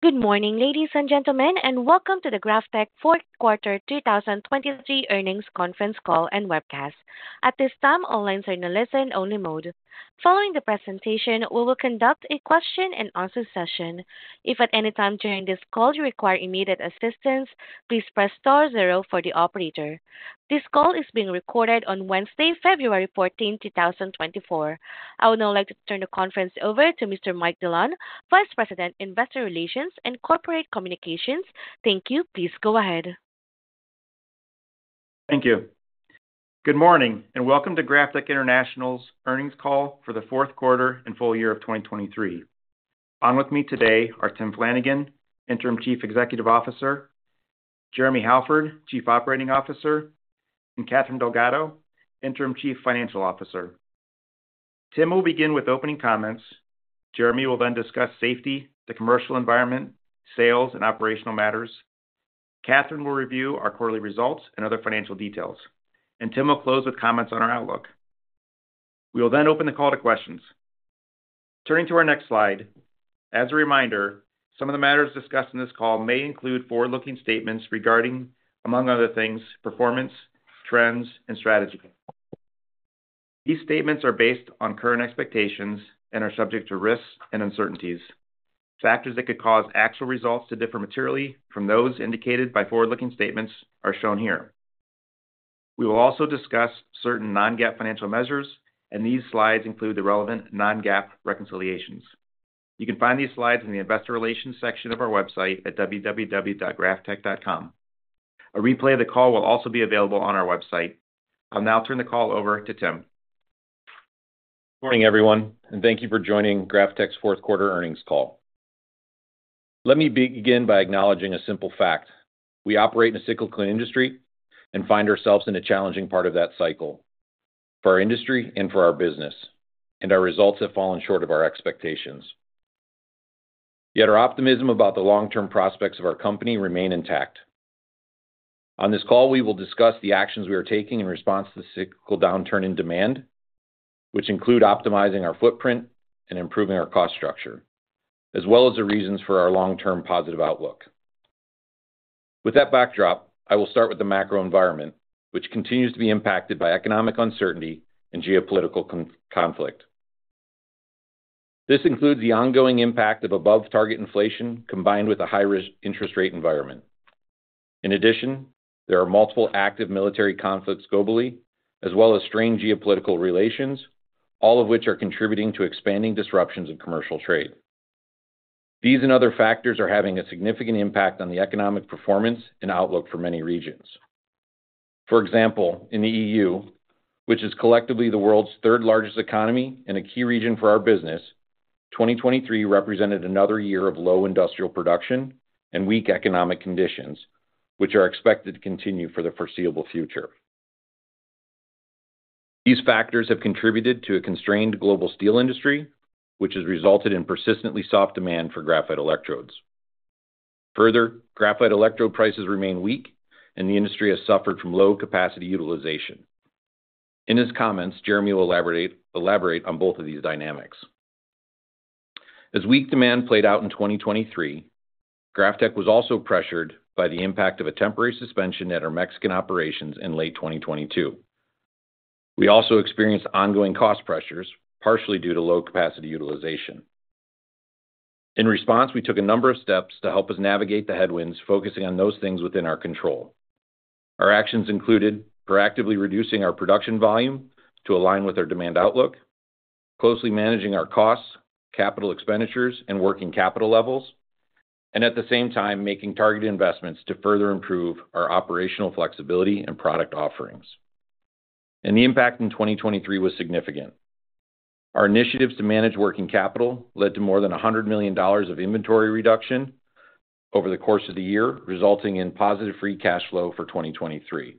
Good morning, ladies and gentlemen, and welcome to the GrafTech fourth quarter 2023 earnings conference call and webcast. At this time, all lines are in listen-only mode. Following the presentation, we will conduct a question-and-answer session. If at any time during this call you require immediate assistance, please press star zero for the operator. This call is being recorded on Wednesday, February 14, 2024. I would now like to turn the conference over to Mr. Mike Dillon, Vice President, Investor Relations and Corporate Communications. Thank you, please go ahead. Thank you. Good morning and welcome to GrafTech International's earnings call for the fourth quarter and full year of 2023. On with me today are Tim Flanagan, Interim Chief Executive Officer; Jeremy Halford, Chief Operating Officer; and Catherine Delgado, Interim Chief Financial Officer. Tim will begin with opening comments, Jeremy will then discuss safety, the commercial environment, sales, and operational matters, Catherine will review our quarterly results and other financial details, and Tim will close with comments on our outlook. We will then open the call to questions. Turning to our next slide, as a reminder, some of the matters discussed in this call may include forward-looking statements regarding, among other things, performance, trends, and strategy. These statements are based on current expectations and are subject to risks and uncertainties. Factors that could cause actual results to differ materially from those indicated by forward-looking statements are shown here. We will also discuss certain non-GAAP financial measures, and these slides include the relevant non-GAAP reconciliations. You can find these slides in the Investor Relations section of our website at www.graftech.com. A replay of the call will also be available on our website. I'll now turn the call over to Tim. Good morning, everyone, and thank you for joining GrafTech's fourth quarter earnings call. Let me begin by acknowledging a simple fact: we operate in a cyclical industry and find ourselves in a challenging part of that cycle, for our industry and for our business, and our results have fallen short of our expectations. Yet our optimism about the long-term prospects of our company remains intact. On this call, we will discuss the actions we are taking in response to the cyclical downturn in demand, which include optimizing our footprint and improving our cost structure, as well as the reasons for our long-term positive outlook. With that backdrop, I will start with the macro environment, which continues to be impacted by economic uncertainty and geopolitical conflict. This includes the ongoing impact of above-target inflation combined with a high-risk interest rate environment. In addition, there are multiple active military conflicts globally, as well as strained geopolitical relations, all of which are contributing to expanding disruptions in commercial trade. These and other factors are having a significant impact on the economic performance and outlook for many regions. For example, in the EU, which is collectively the world's third-largest economy and a key region for our business, 2023 represented another year of low industrial production and weak economic conditions, which are expected to continue for the foreseeable future. These factors have contributed to a constrained global steel industry, which has resulted in persistently soft demand for graphite electrodes. Further, graphite electrode prices remain weak, and the industry has suffered from low capacity utilization. In his comments, Jeremy will elaborate on both of these dynamics. As weak demand played out in 2023, GrafTech was also pressured by the impact of a temporary suspension at our Mexican operations in late 2022. We also experienced ongoing cost pressures, partially due to low capacity utilization. In response, we took a number of steps to help us navigate the headwinds, focusing on those things within our control. Our actions included proactively reducing our production volume to align with our demand outlook, closely managing our costs, capital expenditures, and working capital levels, and at the same time making targeted investments to further improve our operational flexibility and product offerings. The impact in 2023 was significant. Our initiatives to manage working capital led to more than $100 million of inventory reduction over the course of the year, resulting in positive free cash flow for 2023.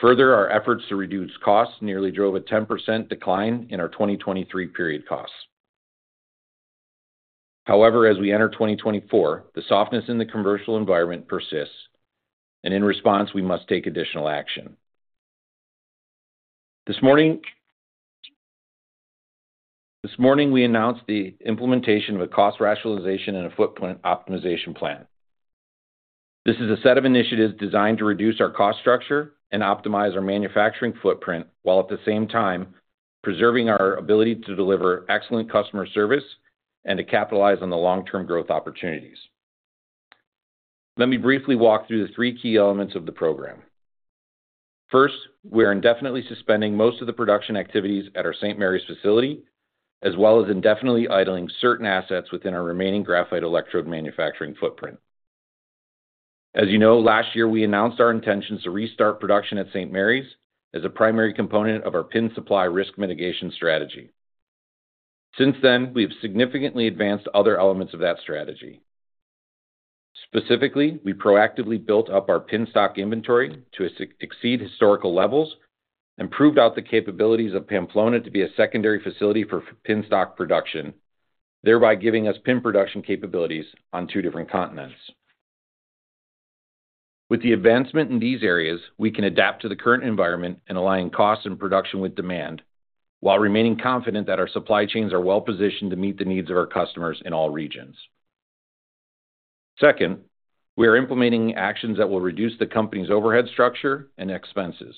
Further, our efforts to reduce costs nearly drove a 10% decline in our 2023 period costs. However, as we enter 2024, the softness in the commercial environment persists, and in response, we must take additional action. This morning, we announced the implementation of a cost rationalization and a footprint optimization plan. This is a set of initiatives designed to reduce our cost structure and optimize our manufacturing footprint while at the same time preserving our ability to deliver excellent customer service and to capitalize on the long-term growth opportunities. Let me briefly walk through the three key elements of the program. First, we are indefinitely suspending most of the production activities at our St. Marys facility, as well as indefinitely idling certain assets within our remaining graphite electrode manufacturing footprint. As you know, last year we announced our intentions to restart production at St. Marys as a primary component of our pin supply risk mitigation strategy. Since then, we have significantly advanced other elements of that strategy. Specifically, we proactively built up our pin stock inventory to exceed historical levels and proved out the capabilities of Pamplona to be a secondary facility for pin stock production, thereby giving us pin production capabilities on two different continents. With the advancement in these areas, we can adapt to the current environment and align costs and production with demand while remaining confident that our supply chains are well positioned to meet the needs of our customers in all regions. Second, we are implementing actions that will reduce the company's overhead structure and expenses.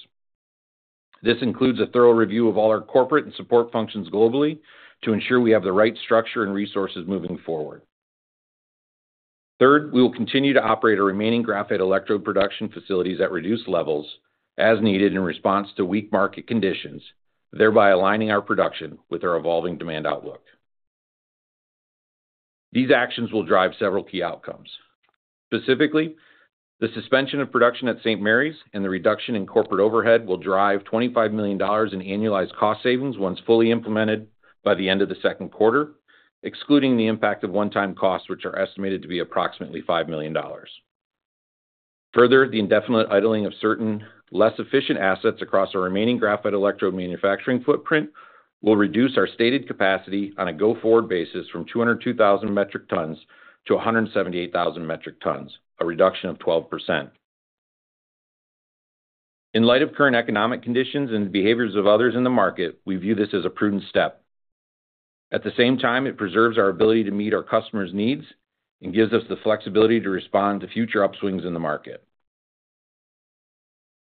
This includes a thorough review of all our corporate and support functions globally to ensure we have the right structure and resources moving forward. Third, we will continue to operate our remaining graphite electrode production facilities at reduced levels as needed in response to weak market conditions, thereby aligning our production with our evolving demand outlook. These actions will drive several key outcomes. Specifically, the suspension of production at St. Marys and the reduction in corporate overhead will drive $25 million in annualized cost savings once fully implemented by the end of the second quarter, excluding the impact of one-time costs, which are estimated to be approximately $5 million. Further, the indefinite idling of certain less efficient assets across our remaining graphite electrode manufacturing footprint will reduce our stated capacity on a go-forward basis from 202,000 metric tons to 178,000 metric tons, a reduction of 12%. In light of current economic conditions and behaviors of others in the market, we view this as a prudent step. At the same time, it preserves our ability to meet our customers' needs and gives us the flexibility to respond to future upswings in the market.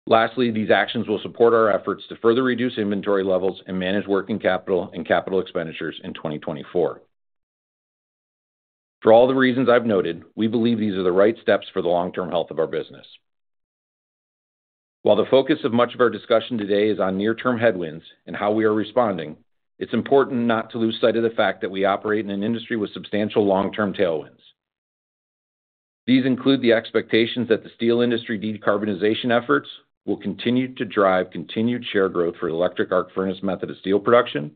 Lastly, these actions will support our efforts to further reduce inventory levels and manage working capital and capital expenditures in 2024. For all the reasons I've noted, we believe these are the right steps for the long-term health of our business. While the focus of much of our discussion today is on near-term headwinds and how we are responding, it's important not to lose sight of the fact that we operate in an industry with substantial long-term tailwinds. These include the expectations that the steel industry decarbonization efforts will continue to drive continued share growth for electric arc furnace method of steel production,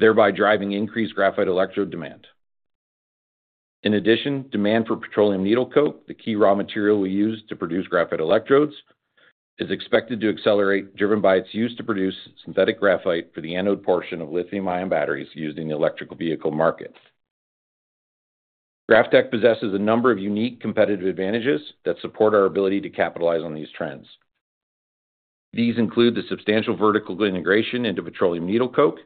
thereby driving increased graphite electrode demand. In addition, demand for petroleum needle coke, the key raw material we use to produce graphite electrodes, is expected to accelerate, driven by its use to produce synthetic graphite for the anode portion of lithium-ion batteries used in the electric vehicle market. GrafTech possesses a number of unique competitive advantages that support our ability to capitalize on these trends. These include the substantial vertical integration into petroleum needle coke,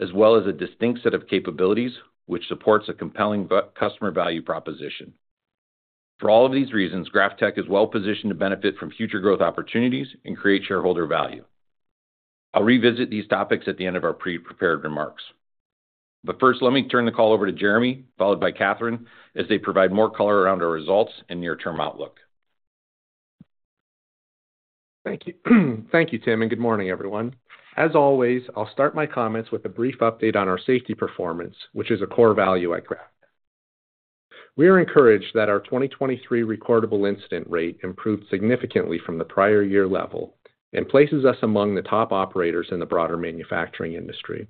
as well as a distinct set of capabilities which supports a compelling customer value proposition. For all of these reasons, GrafTech is well positioned to benefit from future growth opportunities and create shareholder value. I'll revisit these topics at the end of our pre-prepared remarks. But first, let me turn the call over to Jeremy, followed by Catherine, as they provide more color around our results and near-term outlook. Thank you. Thank you, Tim, and good morning, everyone. As always, I'll start my comments with a brief update on our safety performance, which is a core value at GrafTech. We are encouraged that our 2023 recordable incident rate improved significantly from the prior year level and places us among the top operators in the broader manufacturing industry.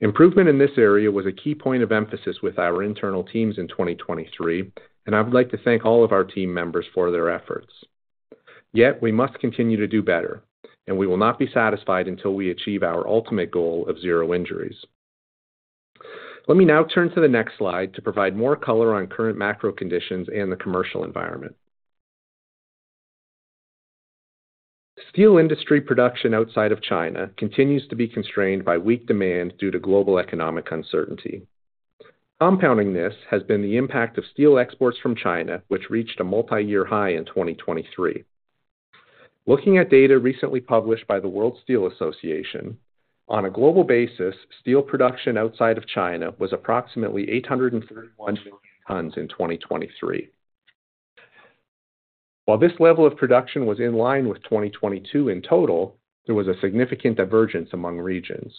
Improvement in this area was a key point of emphasis with our internal teams in 2023, and I would like to thank all of our team members for their efforts. Yet we must continue to do better, and we will not be satisfied until we achieve our ultimate goal of zero injuries. Let me now turn to the next slide to provide more color on current macro conditions and the commercial environment. Steel industry production outside of China continues to be constrained by weak demand due to global economic uncertainty. Compounding this has been the impact of steel exports from China, which reached a multi-year high in 2023. Looking at data recently published by the World Steel Association, on a global basis, steel production outside of China was approximately 831 million tons in 2023. While this level of production was in line with 2022 in total, there was a significant divergence among regions.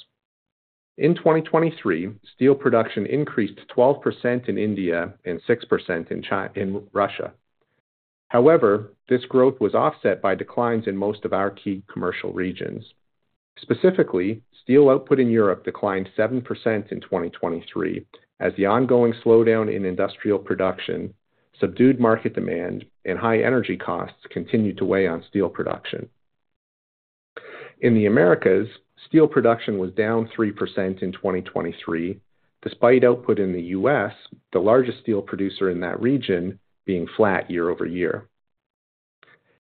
In 2023, steel production increased 12% in India and 6% in Russia. However, this growth was offset by declines in most of our key commercial regions. Specifically, steel output in Europe declined 7% in 2023 as the ongoing slowdown in industrial production, subdued market demand, and high energy costs continued to weigh on steel production. In the Americas, steel production was down 3% in 2023, despite output in the U.S., the largest steel producer in that region, being flat year-over-year.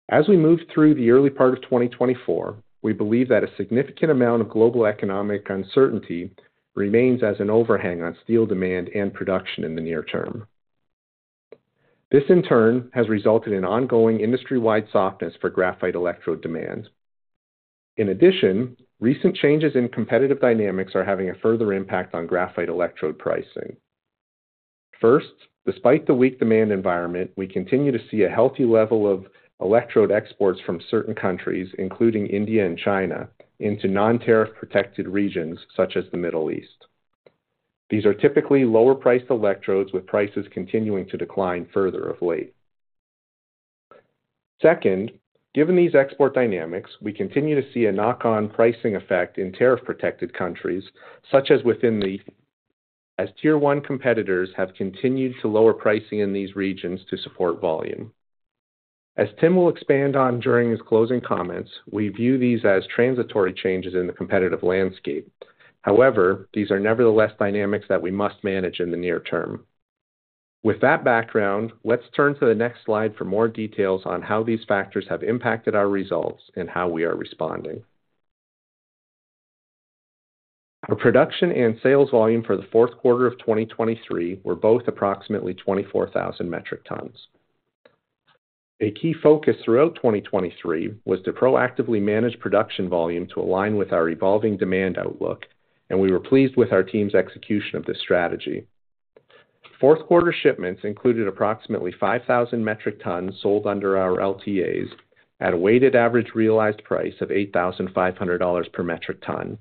As we move through the early part of 2024, we believe that a significant amount of global economic uncertainty remains as an overhang on steel demand and production in the near term. This, in turn, has resulted in ongoing industry-wide softness for graphite electrode demand. In addition, recent changes in competitive dynamics are having a further impact on graphite electrode pricing. First, despite the weak demand environment, we continue to see a healthy level of electrode exports from certain countries, including India and China, into non-tariff-protected regions such as the Middle East. These are typically lower-priced electrodes with prices continuing to decline further of late. Second, given these export dynamics, we continue to see a knock-on pricing effect in tariff-protected countries, such as within the EU. As Tier 1 competitors have continued to lower pricing in these regions to support volume. As Tim will expand on during his closing comments, we view these as transitory changes in the competitive landscape. However, these are nevertheless dynamics that we must manage in the near term. With that background, let's turn to the next slide for more details on how these factors have impacted our results and how we are responding. Our production and sales volume for the fourth quarter of 2023 were both approximately 24,000 metric tons. A key focus throughout 2023 was to proactively manage production volume to align with our evolving demand outlook, and we were pleased with our team's execution of this strategy. Fourth-quarter shipments included approximately 5,000 metric tons sold under our LTAs at a weighted average realized price of $8,500 per metric ton,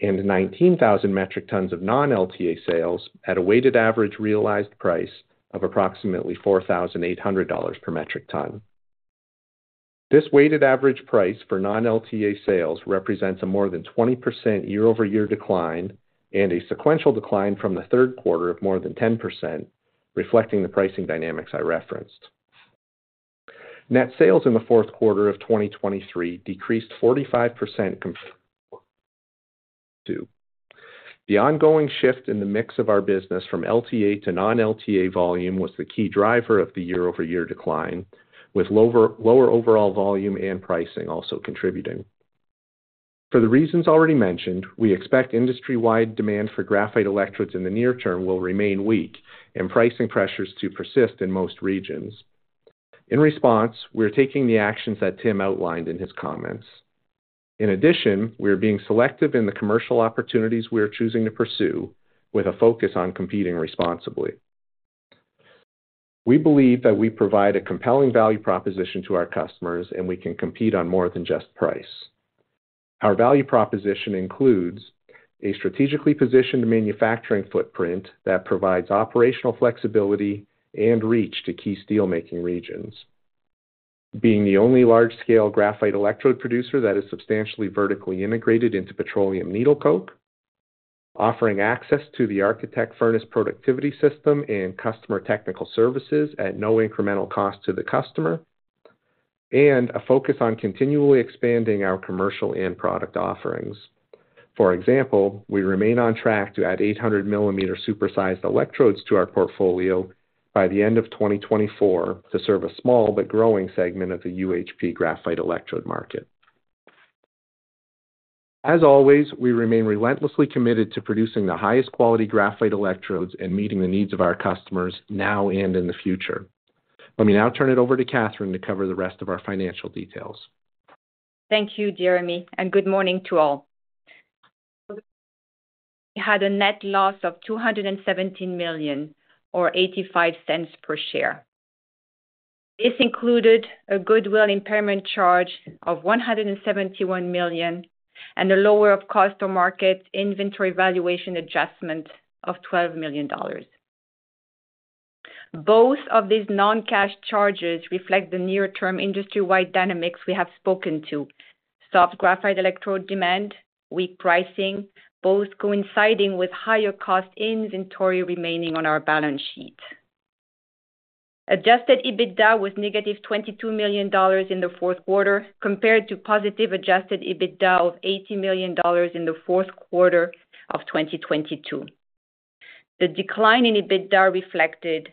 and 19,000 metric tons of non-LTA sales at a weighted average realized price of approximately $4,800 per metric ton. This weighted average price for non-LTA sales represents a more than 20% year-over-year decline and a sequential decline from the third quarter of more than 10%, reflecting the pricing dynamics I referenced. Net sales in the fourth quarter of 2023 decreased 45% compared to 2022. The ongoing shift in the mix of our business from LTA to non-LTA volume was the key driver of the year-over-year decline, with lower overall volume and pricing also contributing. For the reasons already mentioned, we expect industry-wide demand for graphite electrodes in the near term will remain weak and pricing pressures to persist in most regions. In response, we're taking the actions that Tim outlined in his comments. In addition, we are being selective in the commercial opportunities we are choosing to pursue, with a focus on competing responsibly. We believe that we provide a compelling value proposition to our customers, and we can compete on more than just price. Our value proposition includes a strategically positioned manufacturing footprint that provides operational flexibility and reach to key steelmaking regions, being the only large-scale graphite electrode producer that is substantially vertically integrated into petroleum needle coke, offering access to the ArchiTech furnace productivity system and customer technical services at no incremental cost to the customer, and a focus on continually expanding our commercial and product offerings. For example, we remain on track to add 800-millimeter supersized electrodes to our portfolio by the end of 2024 to serve a small but growing segment of the UHP graphite electrode market. As always, we remain relentlessly committed to producing the highest-quality graphite electrodes and meeting the needs of our customers now and in the future. Let me now turn it over to Catherine to cover the rest of our financial details. Thank you, Jeremy, and good morning to all. We had a net loss of $217 million or $0.85 per share. This included a goodwill impairment charge of $171 million and a lower-of-cost-to-market inventory valuation adjustment of $12 million. Both of these non-cash charges reflect the near-term industry-wide dynamics we have spoken to: soft graphite electrode demand, weak pricing, both coinciding with higher-cost inventory remaining on our balance sheet. Adjusted EBITDA was negative $22 million in the fourth quarter compared to positive Adjusted EBITDA of $80 million in the fourth quarter of 2022. The decline in EBITDA reflected,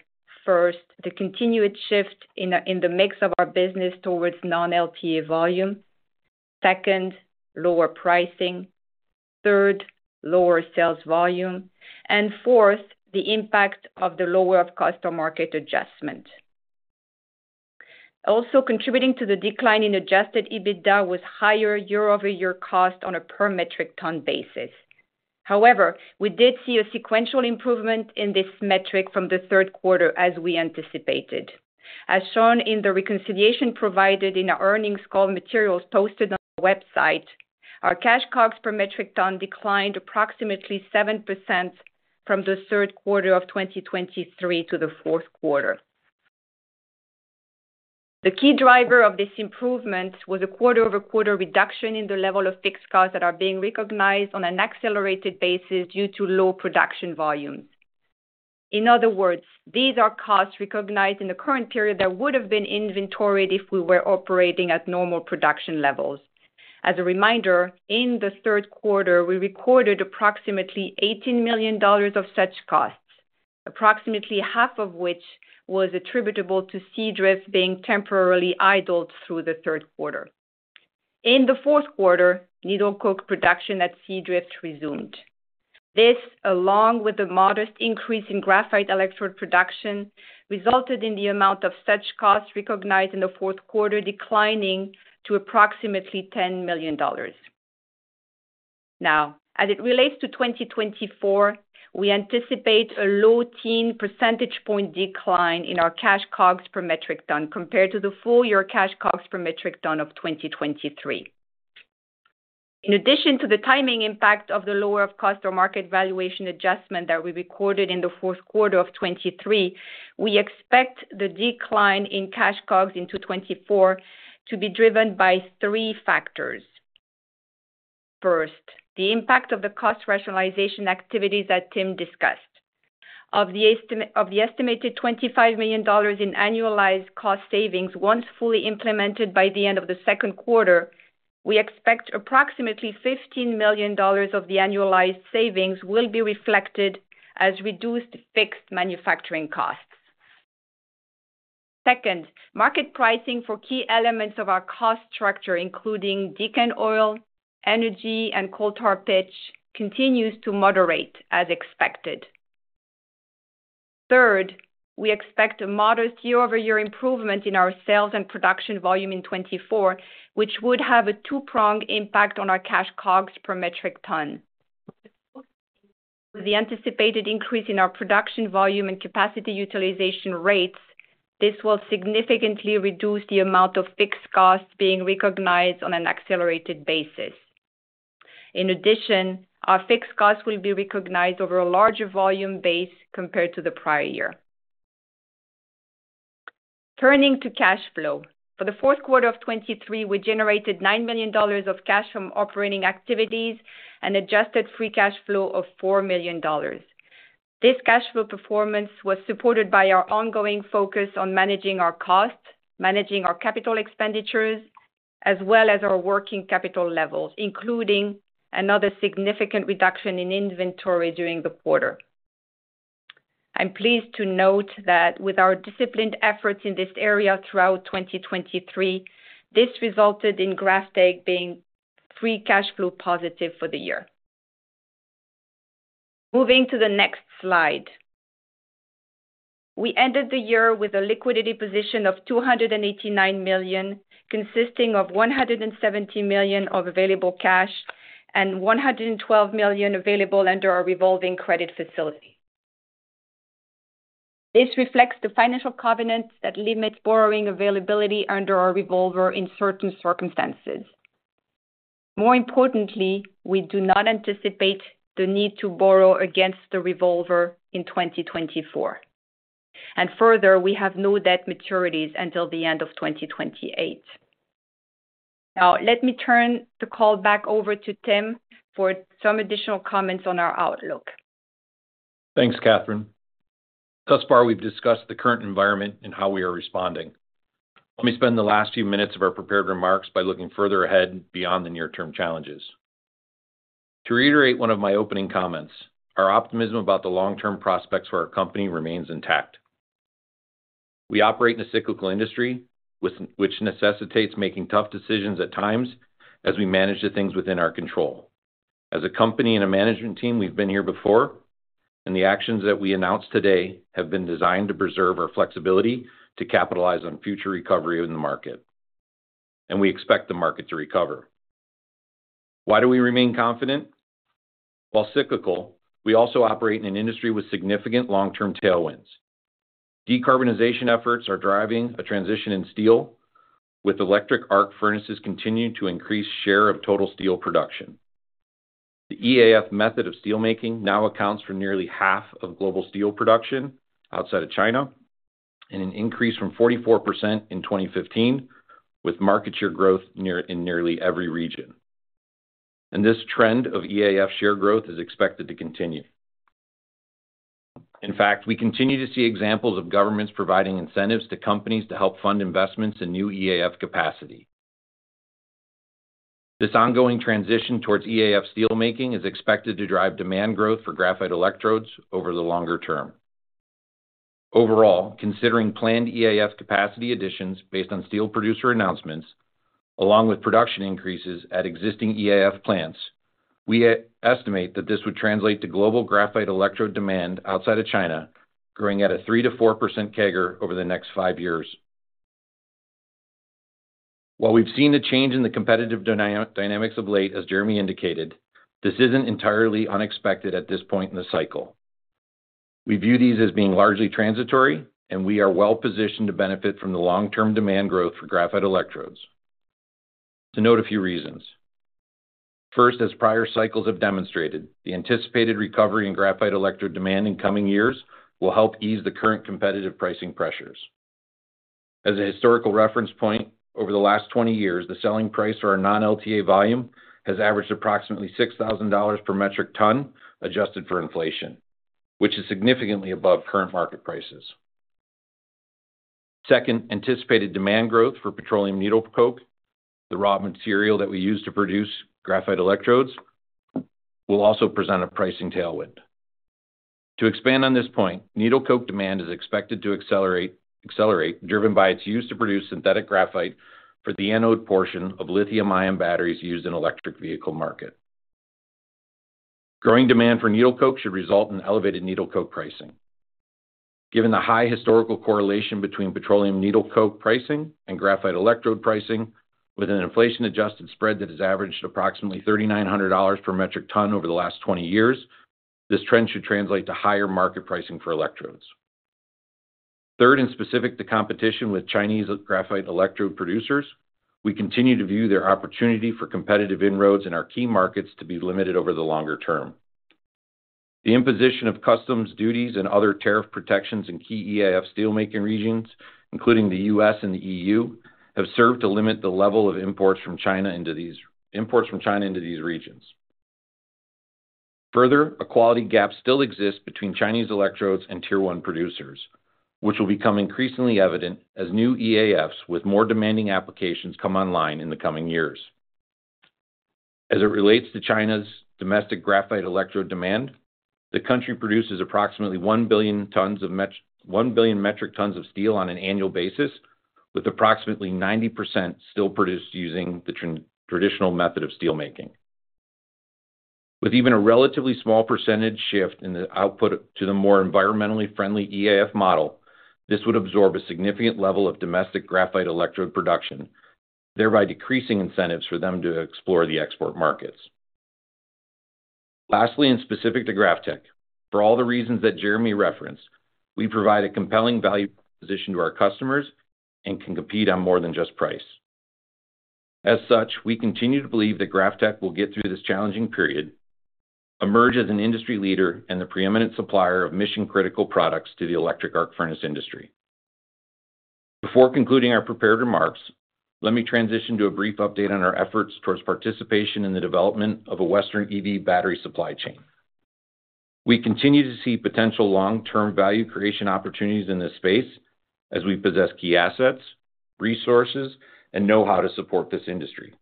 first, the continued shift in the mix of our business towards non-LTA volume, second, lower pricing, third, lower sales volume, and fourth, the impact of the lower-of-cost-to-market adjustment. Also, contributing to the decline in Adjusted EBITDA was higher year-over-year cost on a per-metric-ton basis. However, we did see a sequential improvement in this metric from the third quarter as we anticipated. As shown in the reconciliation provided in our earnings call materials posted on our website, our cash COGS per metric ton declined approximately 7% from the third quarter of 2023 to the fourth quarter. The key driver of this improvement was a quarter-over-quarter reduction in the level of fixed costs that are being recognized on an accelerated basis due to low production volumes. In other words, these are costs recognized in the current period that would have been inventoried if we were operating at normal production levels. As a reminder, in the third quarter, we recorded approximately $18 million of such costs, approximately half of which was attributable to Seadrift being temporarily idled through the third quarter. In the fourth quarter, needle coke production at Seadrift resumed. This, along with a modest increase in graphite electrode production, resulted in the amount of such costs recognized in the fourth quarter declining to approximately $10 million. Now, as it relates to 2024, we anticipate a low-teen percentage-point decline in our cash COGS per metric ton compared to the full-year cash COGS per metric ton of 2023. In addition to the timing impact of the lower-of-cost-to-market valuation adjustment that we recorded in the fourth quarter of 2023, we expect the decline in cash COGS into 2024 to be driven by three factors. First, the impact of the cost rationalization activities that Tim discussed. Of the estimated $25 million in annualized cost savings once fully implemented by the end of the second quarter, we expect approximately $15 million of the annualized savings will be reflected as reduced fixed manufacturing costs. Second, market pricing for key elements of our cost structure, including pet coke and oil, energy, and coal tar pitch, continues to moderate as expected. Third, we expect a modest year-over-year improvement in our sales and production volume in 2024, which would have a two-pronged impact on our cash COGS per metric ton. With the anticipated increase in our production volume and capacity utilization rates, this will significantly reduce the amount of fixed costs being recognized on an accelerated basis. In addition, our fixed costs will be recognized over a larger volume base compared to the prior year. Turning to cash flow. For the fourth quarter of 2023, we generated $9 million of cash from operating activities and adjusted free cash flow of $4 million. This cash flow performance was supported by our ongoing focus on managing our costs, managing our capital expenditures, as well as our working capital levels, including another significant reduction in inventory during the quarter. I'm pleased to note that with our disciplined efforts in this area throughout 2023, this resulted in GrafTech being free cash flow positive for the year. Moving to the next slide. We ended the year with a liquidity position of $289 million, consisting of $170 million of available cash and $112 million available under our revolving credit facility. This reflects the financial covenant that limits borrowing availability under our revolver in certain circumstances. More importantly, we do not anticipate the need to borrow against the revolver in 2024. And further, we have no debt maturities until the end of 2028. Now, let me turn the call back over to Tim for some additional comments on our outlook. Thanks, Catherine. Thus far, we've discussed the current environment and how we are responding. Let me spend the last few minutes of our prepared remarks by looking further ahead beyond the near-term challenges. To reiterate one of my opening comments, our optimism about the long-term prospects for our company remains intact. We operate in a cyclical industry, which necessitates making tough decisions at times as we manage the things within our control. As a company and a management team, we've been here before, and the actions that we announced today have been designed to preserve our flexibility to capitalize on future recovery in the market. We expect the market to recover. Why do we remain confident? While cyclical, we also operate in an industry with significant long-term tailwinds. Decarbonization efforts are driving a transition in steel, with electric arc furnaces continuing to increase share of total steel production. The EAF method of steelmaking now accounts for nearly half of global steel production outside of China, and an increase from 44% in 2015 with market share growth in nearly every region. This trend of EAF share growth is expected to continue. In fact, we continue to see examples of governments providing incentives to companies to help fund investments in new EAF capacity. This ongoing transition towards EAF steelmaking is expected to drive demand growth for graphite electrodes over the longer term. Overall, considering planned EAF capacity additions based on steel producer announcements, along with production increases at existing EAF plants, we estimate that this would translate to global graphite electrode demand outside of China growing at a 3%-4% CAGR over the next five years. While we've seen a change in the competitive dynamics of late, as Jeremy indicated, this isn't entirely unexpected at this point in the cycle. We view these as being largely transitory, and we are well positioned to benefit from the long-term demand growth for graphite electrodes. To note a few reasons. First, as prior cycles have demonstrated, the anticipated recovery in graphite electrode demand in coming years will help ease the current competitive pricing pressures. As a historical reference point, over the last 20 years, the selling price for our non-LTA volume has averaged approximately $6,000 per metric ton adjusted for inflation, which is significantly above current market prices. Second, anticipated demand growth for petroleum needle coke, the raw material that we use to produce graphite electrodes, will also present a pricing tailwind. To expand on this point, needle coke demand is expected to accelerate, driven by its use to produce synthetic graphite for the anode portion of lithium-ion batteries used in the electric vehicle market. Growing demand for needle coke should result in elevated needle coke pricing. Given the high historical correlation between petroleum needle coke pricing and graphite electrode pricing, with an inflation-adjusted spread that has averaged approximately $3,900 per metric ton over the last 20 years, this trend should translate to higher market pricing for electrodes. Third, in specific to competition with Chinese graphite electrode producers, we continue to view their opportunity for competitive inroads in our key markets to be limited over the longer term. The imposition of customs, duties, and other tariff protections in key EAF steelmaking regions, including the U.S. and the E.U., have served to limit the level of imports from China into these regions. Further, a quality gap still exists between Chinese electrodes and tier one producers, which will become increasingly evident as new EAFs with more demanding applications come online in the coming years. As it relates to China's domestic graphite electrode demand, the country produces approximately 1 billion metric tons of steel on an annual basis, with approximately 90% still produced using the traditional method of steelmaking. With even a relatively small percentage shift in the output to the more environmentally friendly EAF model, this would absorb a significant level of domestic graphite electrode production, thereby decreasing incentives for them to explore the export markets. Lastly, in specific to GrafTech, for all the reasons that Jeremy referenced, we provide a compelling value proposition to our customers and can compete on more than just price. As such, we continue to believe that GrafTech will get through this challenging period, emerge as an industry leader and the preeminent supplier of mission-critical products to the electric arc furnace industry. Before concluding our prepared remarks, let me transition to a brief update on our efforts towards participation in the development of a Western EV battery supply chain. We continue to see potential long-term value creation opportunities in this space as we possess key assets, resources, and know-how to support this industry.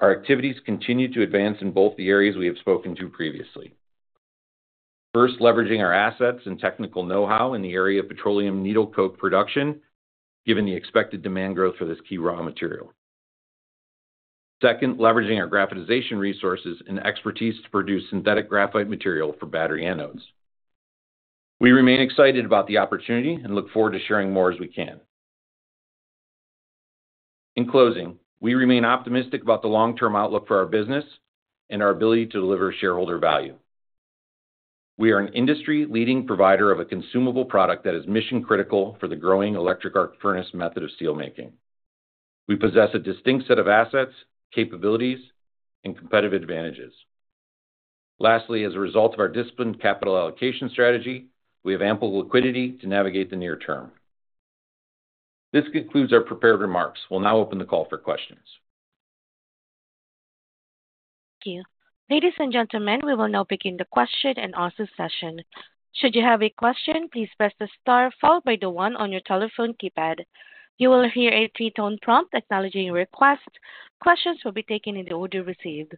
Our activities continue to advance in both the areas we have spoken to previously. First, leveraging our assets and technical know-how in the area of petroleum needle coke production, given the expected demand growth for this key raw material. Second, leveraging our graphitization resources and expertise to produce synthetic graphite material for battery anodes. We remain excited about the opportunity and look forward to sharing more as we can. In closing, we remain optimistic about the long-term outlook for our business and our ability to deliver shareholder value. We are an industry-leading provider of a consumable product that is mission-critical for the growing electric arc furnace method of steelmaking. We possess a distinct set of assets, capabilities, and competitive advantages. Lastly, as a result of our disciplined capital allocation strategy, we have ample liquidity to navigate the near term. This concludes our prepared remarks. We'll now open the call for questions. Thank you. Ladies and gentlemen, we will now begin the question and answer session. Should you have a question, please press the star followed by the one on your telephone keypad. You will hear a three-tone prompt acknowledging your request. Questions will be taken in the order received.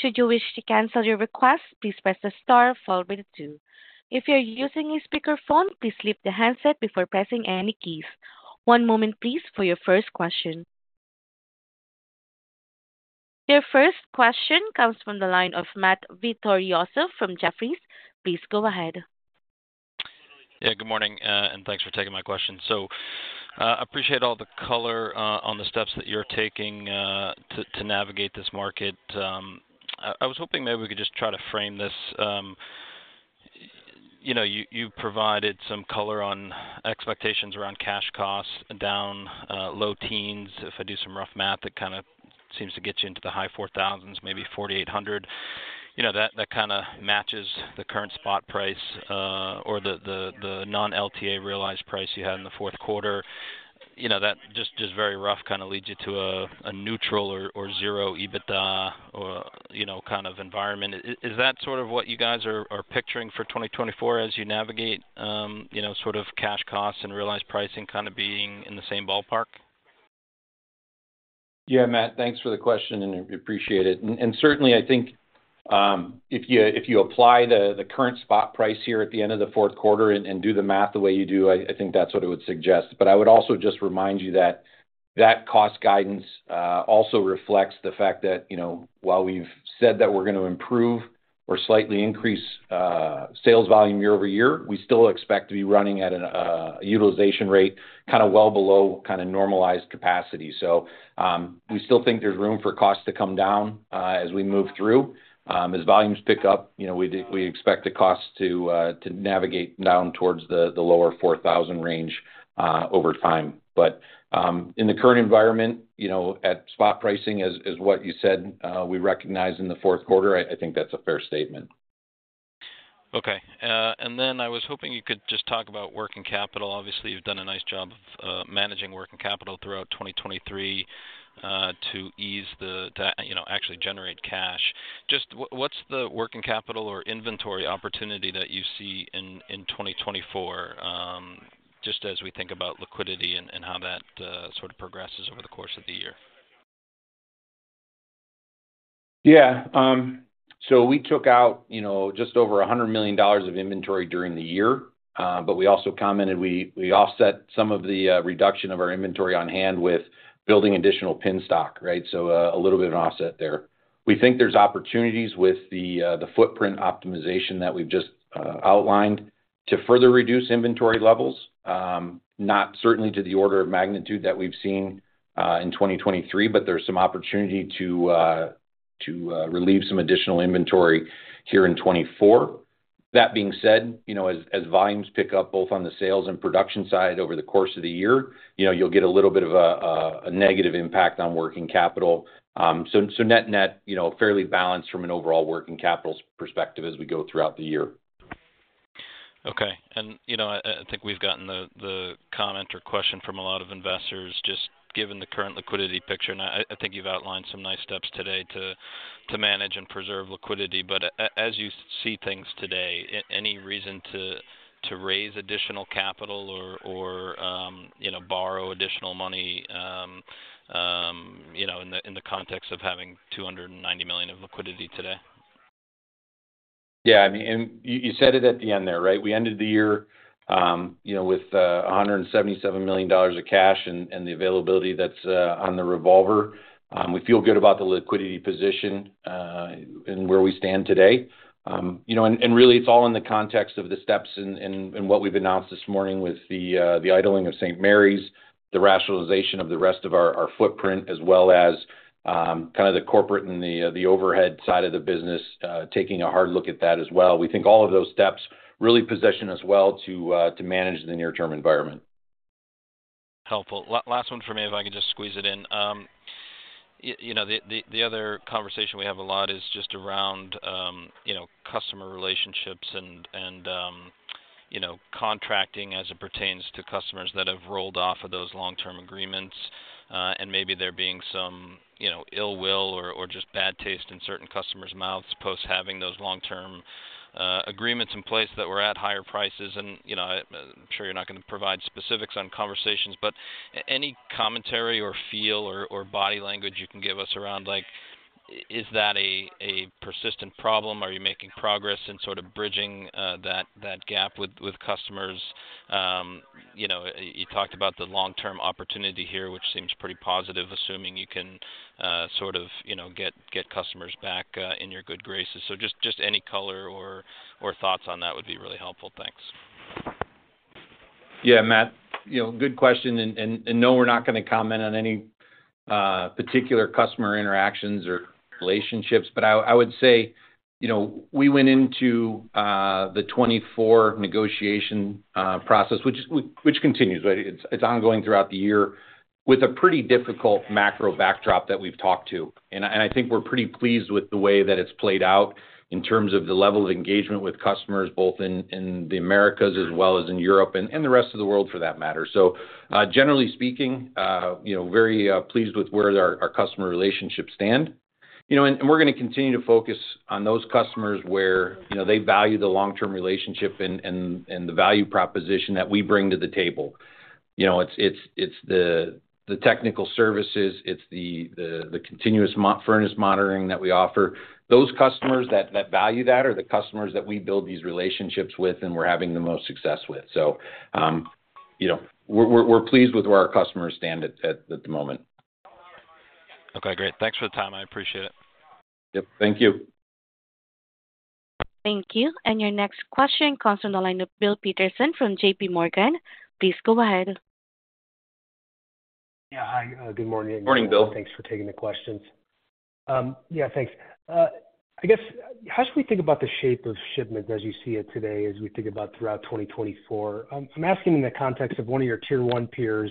Should you wish to cancel your request, please press the star followed by the two. If you're using a speakerphone, please lift the handset before pressing any keys. One moment, please, for your first question. Your first question comes from the line of Matt Vittorioso from Jefferies. Please go ahead. Yeah, good morning. Thanks for taking my question. I appreciate all the color on the steps that you're taking to navigate this market. I was hoping maybe we could just try to frame this. You provided some color on expectations around cash costs down low teens. If I do some rough math, it kind of seems to get you into the high $4,000s, maybe $4,800. That kind of matches the current spot price or the non-LTA realized price you had in the fourth quarter. That just very rough kind of leads you to a neutral or zero EBITDA kind of environment. Is that sort of what you guys are picturing for 2024 as you navigate sort of cash costs and realized pricing kind of being in the same ballpark? Yeah, Matt, thanks for the question and appreciate it. And certainly, I think if you apply the current spot price here at the end of the fourth quarter and do the math the way you do, I think that's what it would suggest. But I would also just remind you that that cost guidance also reflects the fact that while we've said that we're going to improve or slightly increase sales volume year-over-year, we still expect to be running at a utilization rate kind of well below kind of normalized capacity. So we still think there's room for costs to come down as we move through. As volumes pick up, we expect the costs to navigate down towards the lower 4,000 range over time. But in the current environment, at spot pricing, as what you said, we recognize in the fourth quarter, I think that's a fair statement. Okay. And then I was hoping you could just talk about working capital. Obviously, you've done a nice job of managing working capital throughout 2023 to ease the, actually, generate cash. Just what's the working capital or inventory opportunity that you see in 2024, just as we think about liquidity and how that sort of progresses over the course of the year? Yeah. So we took out just over $100 million of inventory during the year. But we also commented we offset some of the reduction of our inventory on hand with building additional pin stock, right? So a little bit of an offset there. We think there's opportunities with the footprint optimization that we've just outlined to further reduce inventory levels, not certainly to the order of magnitude that we've seen in 2023, but there's some opportunity to relieve some additional inventory here in 2024. That being said, as volumes pick up both on the sales and production side over the course of the year, you'll get a little bit of a negative impact on working capital. So net-net, fairly balanced from an overall working capital perspective as we go throughout the year. Okay. I think we've gotten the comment or question from a lot of investors, just given the current liquidity picture. I think you've outlined some nice steps today to manage and preserve liquidity. But as you see things today, any reason to raise additional capital or borrow additional money in the context of having $290 million of liquidity today? Yeah. I mean, and you said it at the end there, right? We ended the year with $177 million of cash and the availability that's on the revolver. We feel good about the liquidity position and where we stand today. And really, it's all in the context of the steps and what we've announced this morning with the idling of St. Marys, the rationalization of the rest of our footprint, as well as kind of the corporate and the overhead side of the business taking a hard look at that as well. We think all of those steps really position us well to manage the near-term environment. Helpful. Last one for me, if I could just squeeze it in. The other conversation we have a lot is just around customer relationships and contracting as it pertains to customers that have rolled off of those long-term agreements. Maybe there being some ill will or just bad taste in certain customers' mouths post having those long-term agreements in place that were at higher prices. I'm sure you're not going to provide specifics on conversations, but any commentary or feel or body language you can give us around, is that a persistent problem? Are you making progress in sort of bridging that gap with customers? You talked about the long-term opportunity here, which seems pretty positive, assuming you can sort of get customers back in your good graces. Just any color or thoughts on that would be really helpful. Thanks. Yeah, Matt, good question. And no, we're not going to comment on any particular customer interactions or relationships. But I would say we went into the 2024 negotiation process, which continues, right? It's ongoing throughout the year, with a pretty difficult macro backdrop that we've talked to. And I think we're pretty pleased with the way that it's played out in terms of the level of engagement with customers, both in the Americas as well as in Europe and the rest of the world for that matter. So generally speaking, very pleased with where our customer relationships stand. And we're going to continue to focus on those customers where they value the long-term relationship and the value proposition that we bring to the table. It's the technical services. It's the continuous furnace monitoring that we offer. Those customers that value that are the customers that we build these relationships with and we're having the most success with. So we're pleased with where our customers stand at the moment. Okay. Great. Thanks for the time. I appreciate it. Yep. Thank you. Thank you. And your next question comes from the line of Bill Peterson from J.P. Morgan. Please go ahead. Yeah. Hi. Good morning. Morning, Bill. Thanks for taking the questions. Yeah, thanks. I guess, how should we think about the shape of shipments as you see it today as we think about throughout 2024? I'm asking in the context of one of your tier one peers.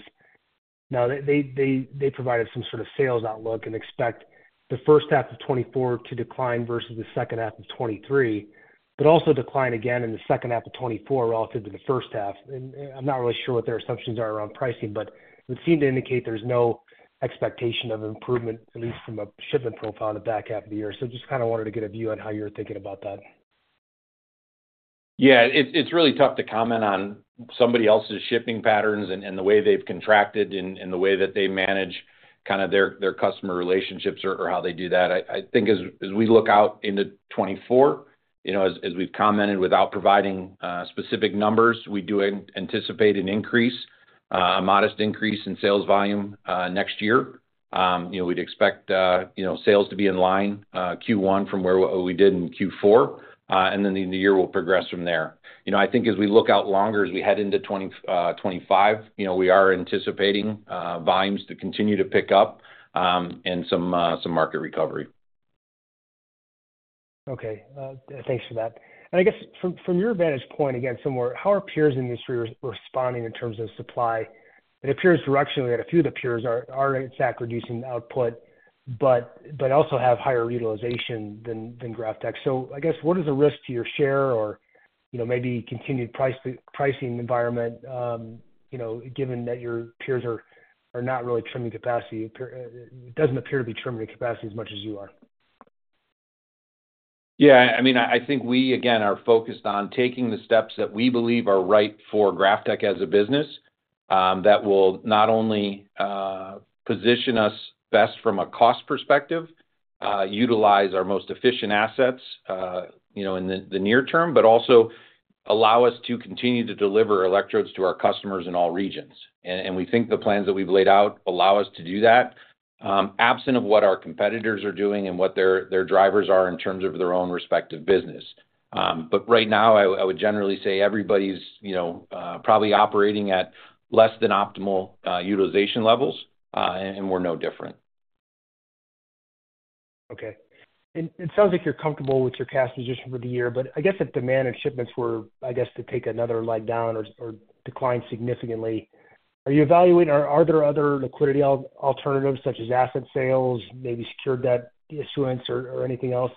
Now, they provided some sort of sales outlook and expect the first half of 2024 to decline versus the second half of 2023, but also decline again in the second half of 2024 relative to the first half. And I'm not really sure what their assumptions are around pricing, but it would seem to indicate there's no expectation of improvement, at least from a shipment profile in the back half of the year. So just kind of wanted to get a view on how you're thinking about that. Yeah. It's really tough to comment on somebody else's shipping patterns and the way they've contracted and the way that they manage kind of their customer relationships or how they do that. I think as we look out into 2024, as we've commented without providing specific numbers, we do anticipate an increase, a modest increase in sales volume next year. We'd expect sales to be in line Q1 from where we did in Q4, and then the year will progress from there. I think as we look out longer, as we head into 2025, we are anticipating volumes to continue to pick up and some market recovery. Okay. Thanks for that. And I guess from your vantage point, again, somewhere, how are peers in this area responding in terms of supply? It appears directionally that a few of the peers aren't exactly reducing output, but also have higher utilization than GrafTech. So I guess, what is the risk to your share or maybe continued pricing environment, given that your peers are not really trimming capacity? It doesn't appear to be trimming capacity as much as you are. Yeah. I mean, I think we, again, are focused on taking the steps that we believe are right for GrafTech as a business that will not only position us best from a cost perspective, utilize our most efficient assets in the near term, but also allow us to continue to deliver electrodes to our customers in all regions. We think the plans that we've laid out allow us to do that, absent of what our competitors are doing and what their drivers are in terms of their own respective business. Right now, I would generally say everybody's probably operating at less than optimal utilization levels, and we're no different. Okay. And it sounds like you're comfortable with your cash position for the year. But I guess if demand and shipments were, I guess, to take another leg down or decline significantly, are you evaluating are there other liquidity alternatives such as asset sales, maybe secured debt issuance, or anything else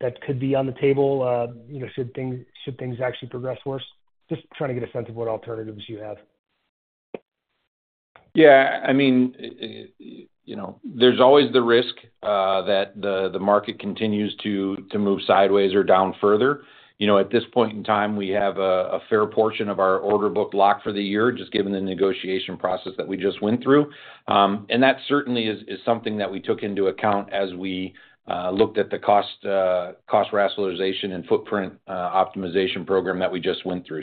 that could be on the table should things actually progress worse? Just trying to get a sense of what alternatives you have. Yeah. I mean, there's always the risk that the market continues to move sideways or down further. At this point in time, we have a fair portion of our order book locked for the year, just given the negotiation process that we just went through. That certainly is something that we took into account as we looked at the cost rationalization and footprint optimization program that we just went through.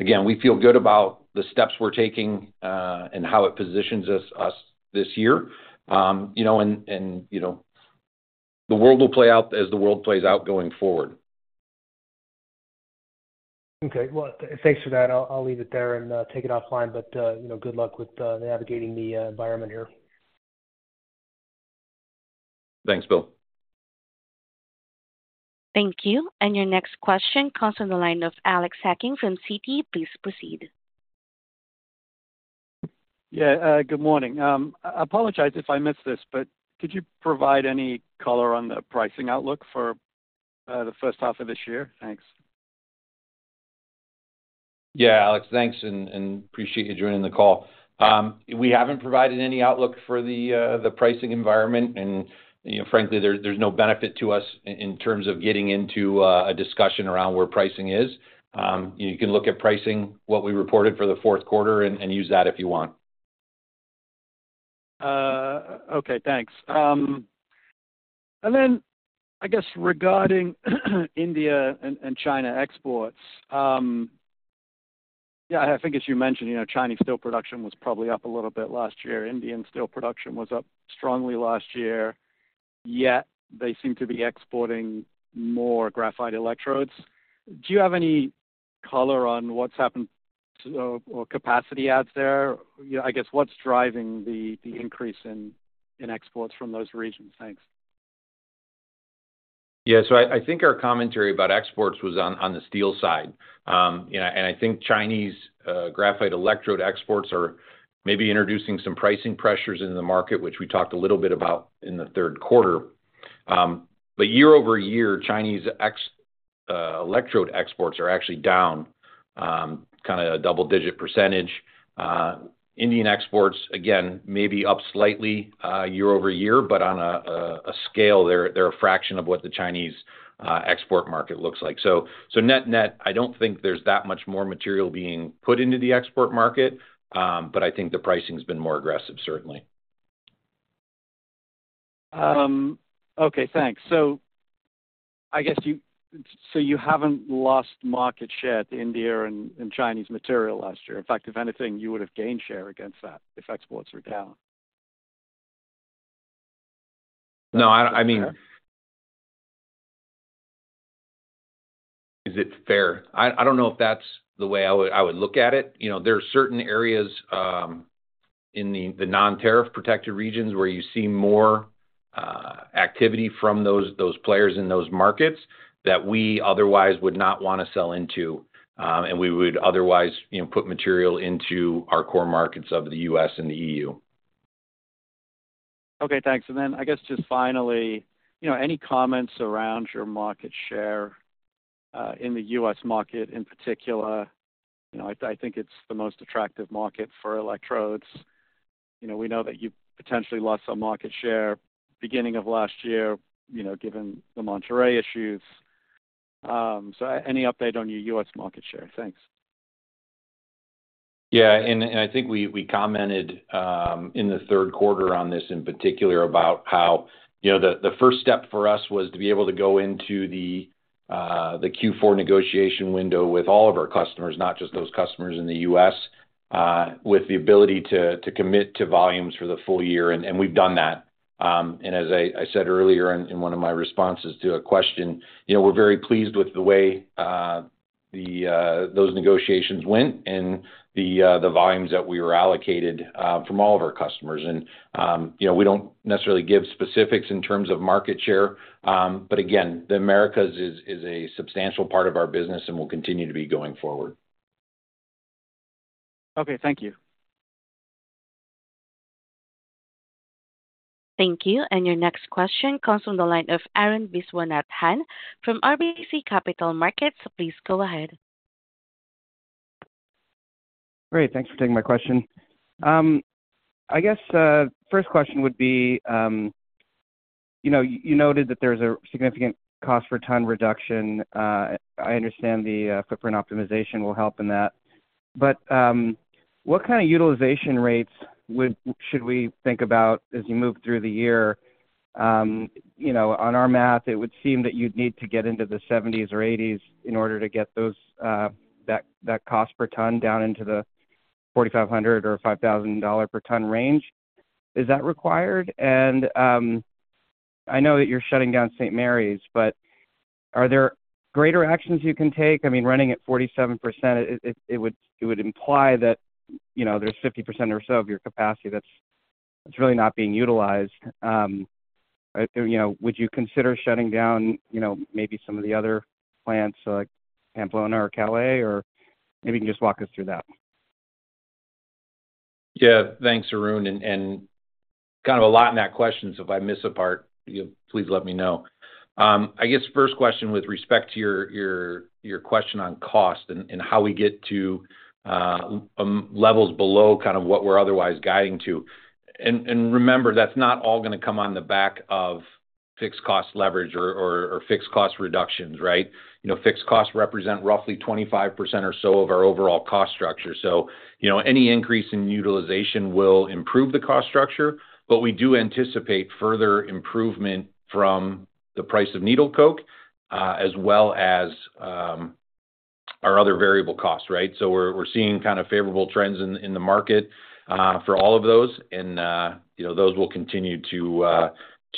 Again, we feel good about the steps we're taking and how it positions us this year. The world will play out as the world plays out going forward. Okay. Well, thanks for that. I'll leave it there and take it offline. But good luck with navigating the environment here. Thanks, Bill. Thank you. Your next question comes online from Alex Hacking from Citi. Please proceed. Yeah. Good morning. I apologize if I missed this, but could you provide any color on the pricing outlook for the first half of this year? Thanks. Yeah, Alex. Thanks. And I appreciate you joining the call. We haven't provided any outlook for the pricing environment. And frankly, there's no benefit to us in terms of getting into a discussion around where pricing is. You can look at pricing, what we reported for the fourth quarter, and use that if you want. Okay. Thanks. And then I guess regarding India and China exports, yeah, I think as you mentioned, Chinese steel production was probably up a little bit last year. Indian steel production was up strongly last year. Yet, they seem to be exporting more graphite electrodes. Do you have any color on what's happened or capacity adds there? I guess what's driving the increase in exports from those regions? Thanks. Yeah. So I think our commentary about exports was on the steel side. And I think Chinese graphite electrode exports are maybe introducing some pricing pressures in the market, which we talked a little bit about in the third quarter. But year-over-year, Chinese electrode exports are actually down kind of a double-digit %. Indian exports, again, maybe up slightly year-over-year, but on a scale, they're a fraction of what the Chinese export market looks like. So net-net, I don't think there's that much more material being put into the export market. But I think the pricing's been more aggressive, certainly. Okay. Thanks. So I guess you haven't lost market share to Indian and Chinese material last year. In fact, if anything, you would have gained share against that if exports were down. No. I mean, is it fair? I don't know if that's the way I would look at it. There are certain areas in the non-tariff protected regions where you see more activity from those players in those markets that we otherwise would not want to sell into. And we would otherwise put material into our core markets of the U.S. and the E.U. Okay. Thanks. And then I guess just finally, any comments around your market share in the U.S. market in particular? I think it's the most attractive market for electrodes. We know that you potentially lost some market share beginning of last year, given the Monterrey issues. So any update on your U.S. market share? Thanks. Yeah. I think we commented in the third quarter on this in particular about how the first step for us was to be able to go into the Q4 negotiation window with all of our customers, not just those customers in the U.S., with the ability to commit to volumes for the full year. We've done that. As I said earlier in one of my responses to a question, we're very pleased with the way those negotiations went and the volumes that we were allocated from all of our customers. We don't necessarily give specifics in terms of market share. But again, the Americas is a substantial part of our business and will continue to be going forward. Okay. Thank you. Thank you. Your next question comes from the line of Arun Viswanathan from RBC Capital Markets. Please go ahead. Great. Thanks for taking my question. I guess first question would be you noted that there's a significant cost-per-ton reduction. I understand the footprint optimization will help in that. But what kind of utilization rates should we think about as you move through the year? On our math, it would seem that you'd need to get into the 70s or 80s in order to get that cost per ton down into the $4,500 or $5,000 per ton range. Is that required? And I know that you're shutting down St. Marys, but are there greater actions you can take? I mean, running at 47%, it would imply that there's 50% or so of your capacity that's really not being utilized. Would you consider shutting down maybe some of the other plants like Pamplona or Calais, or maybe you can just walk us through that? Yeah. Thanks, Arun. And kind of a lot in that question. So if I miss a part, please let me know. I guess first question, with respect to your question on cost and how we get to levels below kind of what we're otherwise guiding to. And remember, that's not all going to come on the back of fixed cost leverage or fixed cost reductions, right? Fixed costs represent roughly 25% or so of our overall cost structure. So any increase in utilization will improve the cost structure. But we do anticipate further improvement from the price of needle coke as well as our other variable costs, right? So we're seeing kind of favorable trends in the market for all of those. And those will continue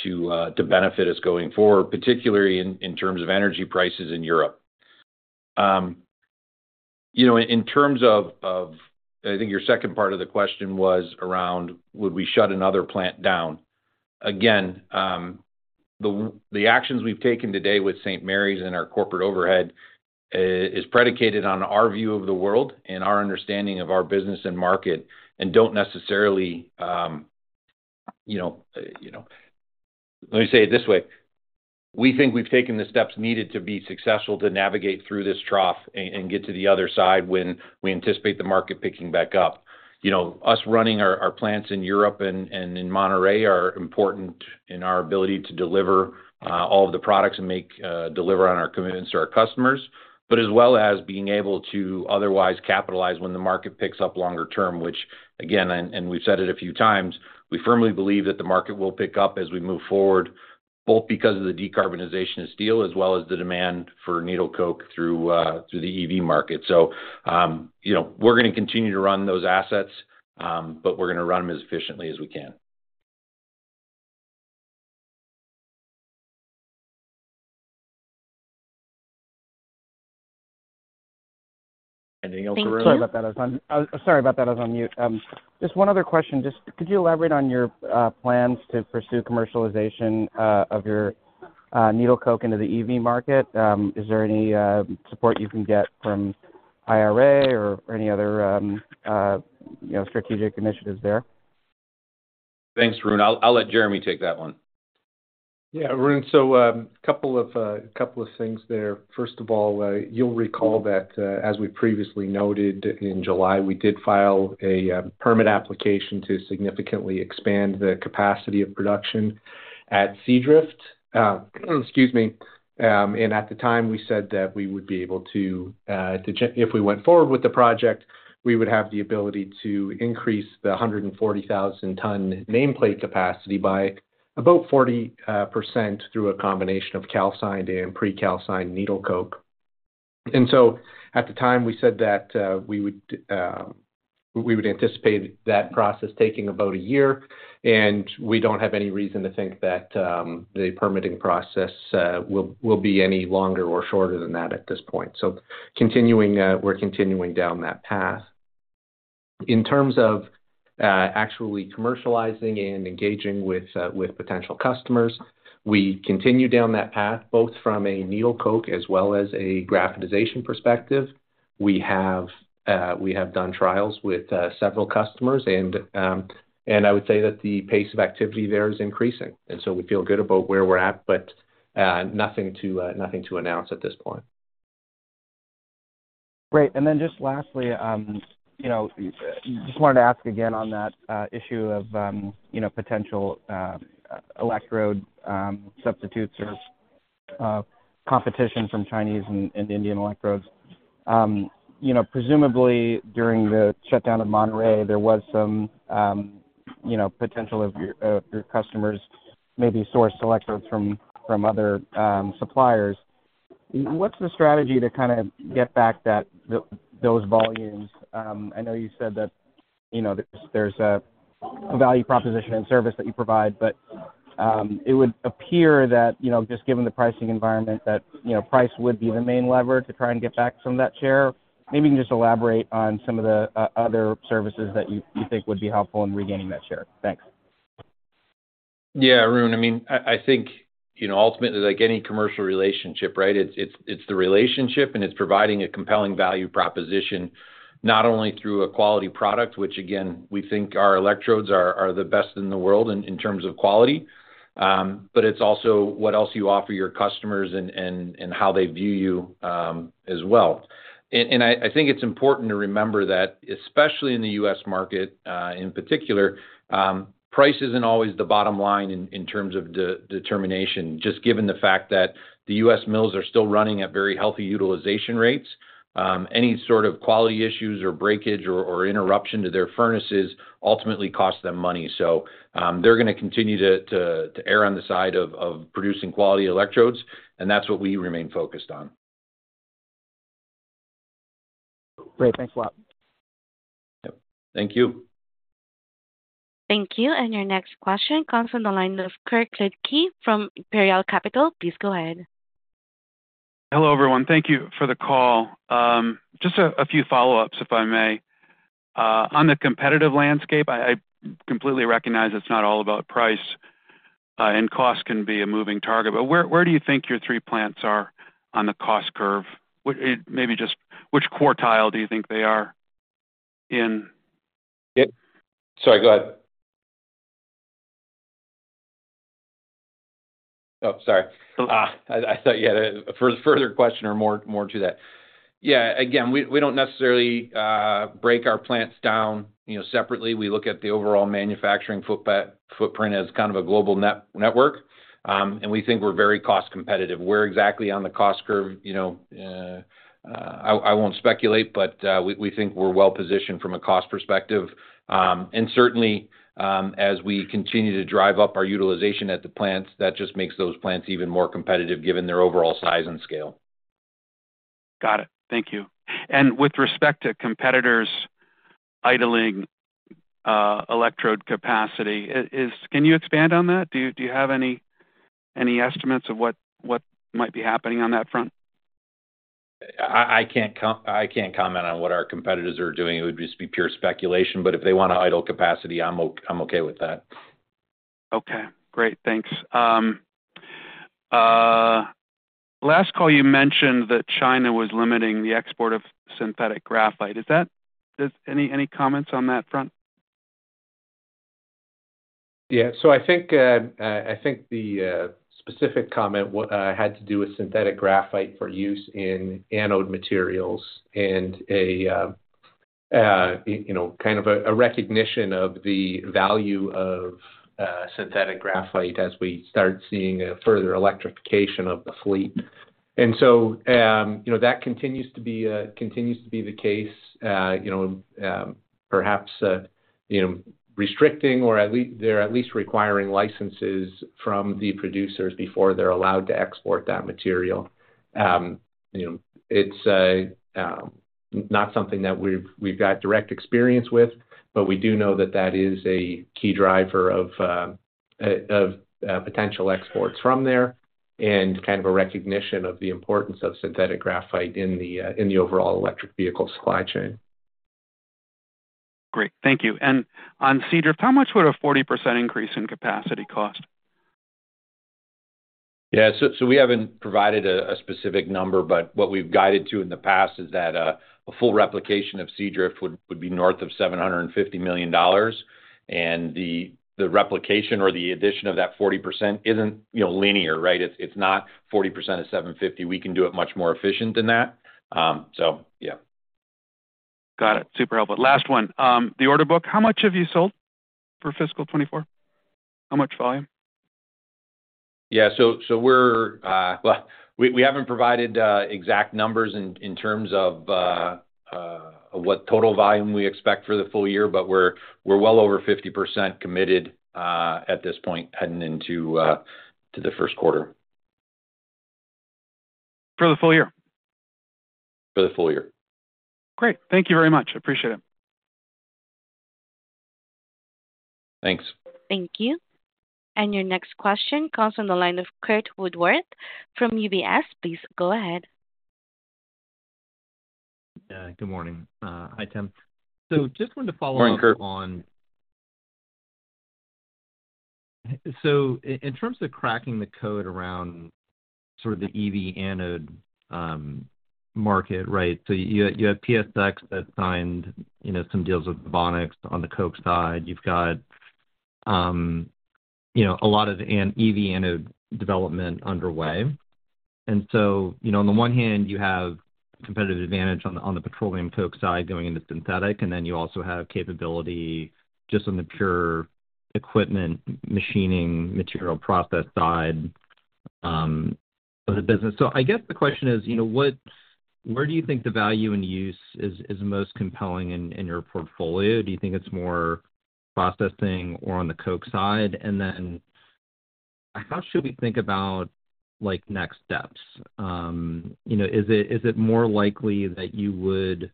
to benefit us going forward, particularly in terms of energy prices in Europe. In terms of, I think your second part of the question was around, would we shut another plant down? Again, the actions we've taken today with St. Marys and our corporate overhead is predicated on our view of the world and our understanding of our business and market and don't necessarily let me say it this way. We think we've taken the steps needed to be successful to navigate through this trough and get to the other side when we anticipate the market picking back up. Our running our plants in Europe and in Monterrey are important in our ability to deliver all of the products and deliver on our commitments to our customers, but as well as being able to otherwise capitalize when the market picks up longer term, which again, and we've said it a few times, we firmly believe that the market will pick up as we move forward, both because of the decarbonization of steel as well as the demand for needle coke through the EV market. So we're going to continue to run those assets, but we're going to run them as efficiently as we can. Anything else, Arun? Thank you. Sorry about that. I was on mute. Just one other question. Could you elaborate on your plans to pursue commercialization of your needle coke into the EV market? Is there any support you can get from IRA or any other strategic initiatives there? Thanks, Arun. I'll let Jeremy take that one. Yeah, Arun. So a couple of things there. First of all, you'll recall that as we previously noted in July, we did file a permit application to significantly expand the capacity of production at Seadrift. Excuse me. And at the time, we said that we would be able to, if we went forward with the project, we would have the ability to increase the 140,000-ton nameplate capacity by about 40% through a combination of calcined and pre-calcined needle coke. And so at the time, we said that we would anticipate that process taking about a year. And we don't have any reason to think that the permitting process will be any longer or shorter than that at this point. So we're continuing down that path. In terms of actually commercializing and engaging with potential customers, we continue down that path, both from a needle coke as well as a graphitization perspective. We have done trials with several customers. I would say that the pace of activity there is increasing. So we feel good about where we're at, but nothing to announce at this point. Great. And then just lastly, I just wanted to ask again on that issue of potential electrode substitutes or competition from Chinese and Indian electrodes. Presumably, during the shutdown of Monterrey, there was some potential of your customers maybe sourced electrodes from other suppliers. What's the strategy to kind of get back those volumes? I know you said that there's a value proposition and service that you provide, but it would appear that just given the pricing environment, that price would be the main lever to try and get back some of that share. Maybe you can just elaborate on some of the other services that you think would be helpful in regaining that share. Thanks. Yeah, Arun. I mean, I think ultimately, like any commercial relationship, right, it's the relationship, and it's providing a compelling value proposition, not only through a quality product, which again, we think our electrodes are the best in the world in terms of quality, but it's also what else you offer your customers and how they view you as well. I think it's important to remember that especially in the U.S. market in particular, price isn't always the bottom line in terms of determination, just given the fact that the U.S. mills are still running at very healthy utilization rates. Any sort of quality issues or breakage or interruption to their furnaces ultimately costs them money. So they're going to continue to err on the side of producing quality electrodes. And that's what we remain focused on. Great. Thanks a lot. Yep. Thank you. Thank you. And your next question comes from the line of Kirk Ludtke from Imperial Capital. Please go ahead. Hello, everyone. Thank you for the call. Just a few follow-ups, if I may. On the competitive landscape, I completely recognize it's not all about price. And cost can be a moving target. But where do you think your three plants are on the cost curve? Maybe just which quartile do you think they are in? Yep. Sorry. Go ahead. Oh, sorry. I thought you had a further question or more to that. Yeah. Again, we don't necessarily break our plants down separately. We look at the overall manufacturing footprint as kind of a global network. And we think we're very cost-competitive. We're exactly on the cost curve. I won't speculate, but we think we're well-positioned from a cost perspective. And certainly, as we continue to drive up our utilization at the plants, that just makes those plants even more competitive given their overall size and scale. Got it. Thank you. With respect to competitors idling electrode capacity, can you expand on that? Do you have any estimates of what might be happening on that front? I can't comment on what our competitors are doing. It would just be pure speculation. But if they want to idle capacity, I'm okay with that. Okay. Great. Thanks. Last call, you mentioned that China was limiting the export of synthetic graphite. Any comments on that front? Yeah. So I think the specific comment had to do with synthetic graphite for use in anode materials and kind of a recognition of the value of synthetic graphite as we start seeing a further electrification of the fleet. And so that continues to be the case, perhaps restricting or they're at least requiring licenses from the producers before they're allowed to export that material. It's not something that we've got direct experience with, but we do know that that is a key driver of potential exports from there and kind of a recognition of the importance of synthetic graphite in the overall electric vehicle supply chain. Great. Thank you. And on Seadrift, how much would a 40% increase in capacity cost? Yeah. So we haven't provided a specific number, but what we've guided to in the past is that a full replication of Seadrift would be north of $750 million. And the replication or the addition of that 40% isn't linear, right? It's not 40% of $750 million. We can do it much more efficient than that. So yeah. Got it. Super helpful. Last one. The order book, how much have you sold for fiscal 2024? How much volume? Yeah. So we haven't provided exact numbers in terms of what total volume we expect for the full year, but we're well over 50% committed at this point heading into the first quarter. For the full year? For the full year. Great. Thank you very much. Appreciate it. Thanks. Thank you. Your next question comes from the line of Curt Woodworth from UBS. Please go ahead. Yeah. Good morning. Hi, Tim. Just wanted to follow up on. Morning, Curt. So in terms of cracking the code around sort of the EV anode market, right? So you have PSX that signed some deals with Novonix on the coke side. You've got a lot of EV anode development underway. And so on the one hand, you have competitive advantage on the petroleum coke side going into synthetic, and then you also have capability just on the pure equipment, machining, material process side of the business. So I guess the question is, where do you think the value and use is most compelling in your portfolio? Do you think it's more processing or on the coke side? And then how should we think about next steps? Is it more likely that you would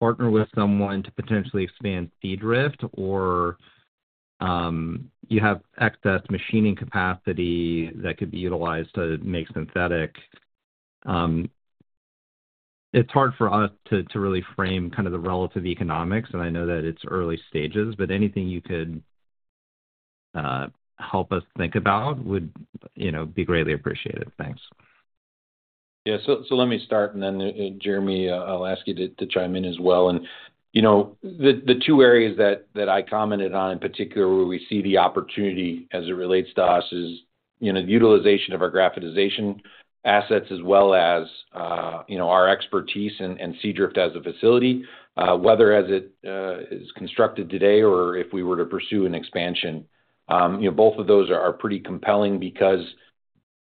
partner with someone to potentially expand Seadrift, or you have excess machining capacity that could be utilized to make synthetic? It's hard for us to really frame kind of the relative economics, and I know that it's early stages, but anything you could help us think about would be greatly appreciated. Thanks. Yeah. So let me start, and then Jeremy, I'll ask you to chime in as well. And the two areas that I commented on in particular where we see the opportunity as it relates to us is the utilization of our graphitization assets as well as our expertise and Seadrift as a facility, whether as it is constructed today or if we were to pursue an expansion. Both of those are pretty compelling because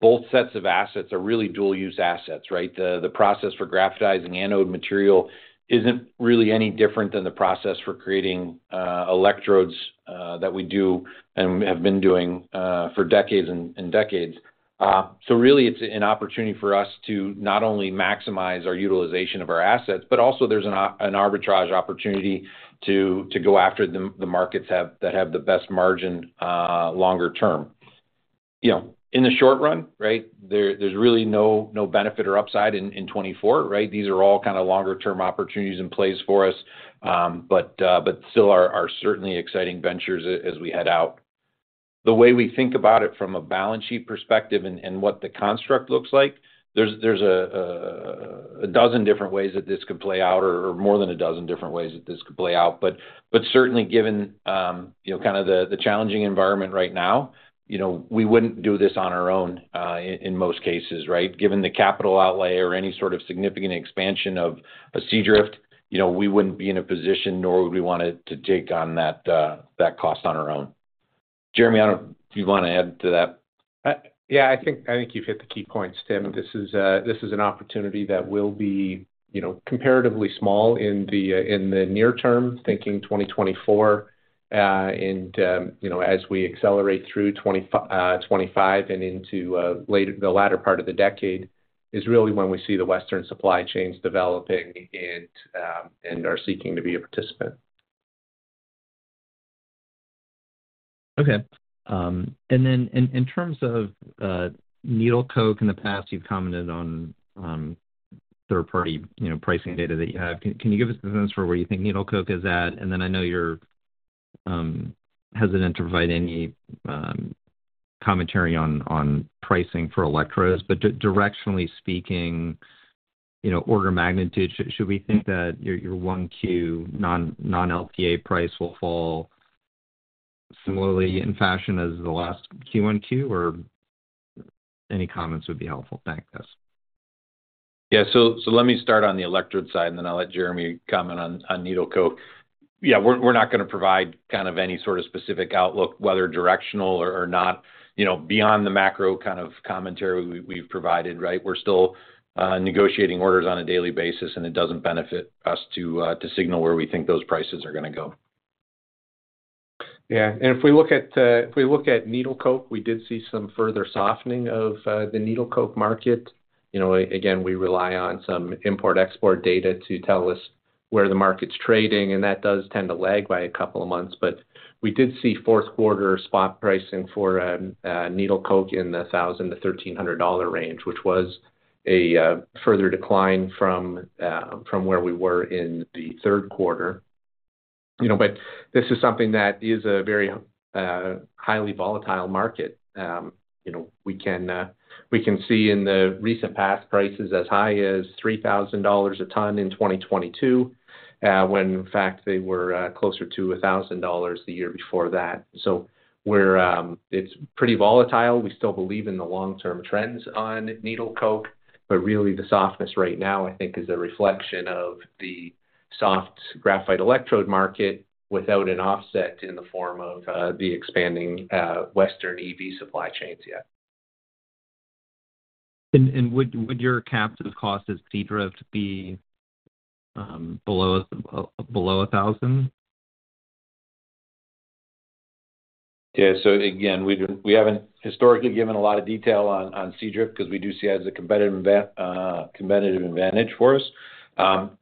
both sets of assets are really dual-use assets, right? The process for graphitizing anode material isn't really any different than the process for creating electrodes that we do and have been doing for decades and decades. So really, it's an opportunity for us to not only maximize our utilization of our assets, but also there's an arbitrage opportunity to go after the markets that have the best margin longer term. In the short run, right, there's really no benefit or upside in 2024, right? These are all kind of longer-term opportunities in place for us but still are certainly exciting ventures as we head out. The way we think about it from a balance sheet perspective and what the construct looks like, there's a dozen different ways that this could play out or more than a dozen different ways that this could play out. But certainly, given kind of the challenging environment right now, we wouldn't do this on our own in most cases, right? Given the capital outlay or any sort of significant expansion of a Seadrift, we wouldn't be in a position, nor would we want to take on that cost on our own. Jeremy, I don't know if you want to add to that. Yeah. I think you've hit the key points, Tim. This is an opportunity that will be comparatively small in the near term, thinking 2024. And as we accelerate through 2025 and into the latter part of the decade, is really when we see the Western supply chains developing and are seeking to be a participant. Okay. And then in terms of needle coke in the past, you've commented on third-party pricing data that you have. Can you give us a sense for where you think needle coke is at? And then I know you're hesitant to provide any commentary on pricing for electrodes, but directionally speaking, order of magnitude, should we think that your 1Q non-LTA price will fall similarly in fashion as the last Q1Q, or any comments would be helpful? Thanks, guys. Yeah. So let me start on the electrode side, and then I'll let Jeremy comment on needle coke. Yeah. We're not going to provide kind of any sort of specific outlook, whether directional or not. Beyond the macro kind of commentary we've provided, right, we're still negotiating orders on a daily basis, and it doesn't benefit us to signal where we think those prices are going to go. Yeah. And if we look at needle coke, we did see some further softening of the needle coke market. Again, we rely on some import-export data to tell us where the market's trading, and that does tend to lag by a couple of months. But we did see fourth-quarter spot pricing for needle coke in the $1,000-$1,300 range, which was a further decline from where we were in the third quarter. But this is something that is a very highly volatile market. We can see in the recent past prices as high as $3,000 a ton in 2022 when, in fact, they were closer to $1,000 the year before that. So it's pretty volatile. We still believe in the long-term trends on needle coke. But really, the softness right now, I think, is a reflection of the soft graphite electrode market without an offset in the form of the expanding Western EV supply chains yet. Would your captive cost as Seadrift be below $1,000? Yeah. So again, we haven't historically given a lot of detail on Seadrift because we do see it as a competitive advantage for us.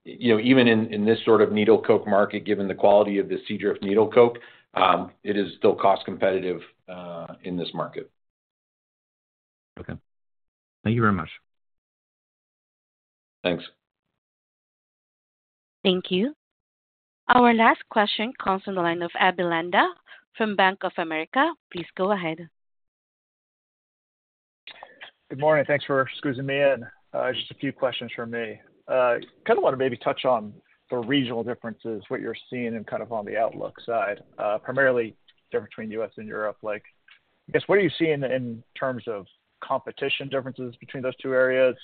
Even in this sort of needle coke market, given the quality of the Seadrift needle coke, it is still cost-competitive in this market. Okay. Thank you very much. Thanks. Thank you. Our last question comes from the line of Abraham Landa from Bank of America. Please go ahead. Good morning. Thanks for squeezing me in. Just a few questions from me. Kind of want to maybe touch on the regional differences, what you're seeing kind of on the outlook side, primarily there between the U.S. and Europe. I guess, what are you seeing in terms of competition differences between those two areas?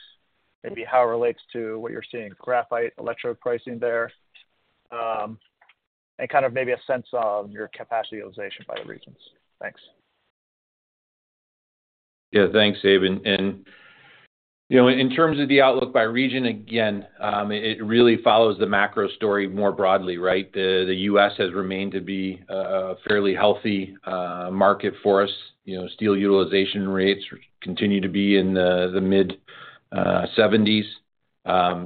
Maybe how it relates to what you're seeing, graphite electrode pricing there, and kind of maybe a sense of your capacity utilization by the regions. Thanks. Yeah. Thanks, Abraham. In terms of the outlook by region, again, it really follows the macro story more broadly, right? The U.S. has remained to be a fairly healthy market for us. Steel utilization rates continue to be in the mid-70s.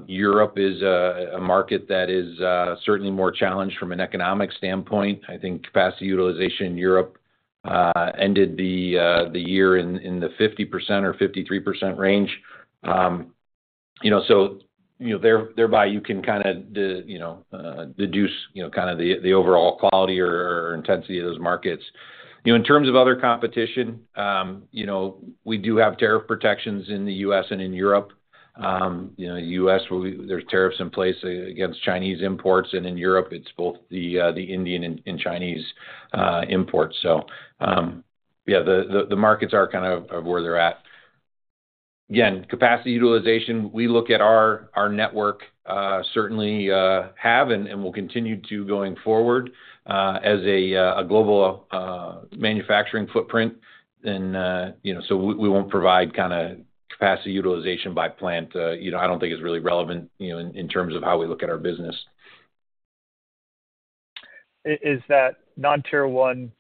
Europe is a market that is certainly more challenged from an economic standpoint. I think capacity utilization in Europe ended the year in the 50% or 53% range. So thereby, you can kind of deduce kind of the overall quality or intensity of those markets. In terms of other competition, we do have tariff protections in the U.S. and in Europe. In the U.S., there's tariffs in place against Chinese imports, and in Europe, it's both the Indian and Chinese imports. So yeah, the markets are kind of where they're at. Again, capacity utilization, we look at our network, certainly have, and we'll continue to going forward as a global manufacturing footprint. And so we won't provide kind of capacity utilization by plant. I don't think it's really relevant in terms of how we look at our business. Is that non-Tier 1